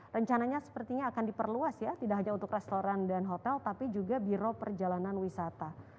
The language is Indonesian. rencananya sepertinya akan diperluas ya tidak hanya untuk restoran dan hotel tapi juga biro perjalanan wisata